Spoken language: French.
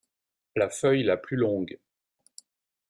La feuille la plus longue.